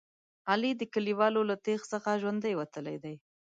علي د کلیوالو له تېغ څخه ژوندی وتلی دی.